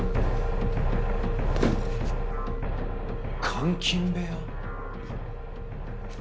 監禁部屋。